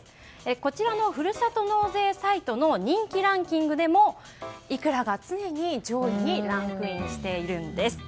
こちらのふるさと納税サイトの人気ランキングでもイクラが常に上位にランクインしているんです。